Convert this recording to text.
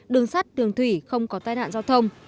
đường sắt đường thủy không có tai nạn giao thông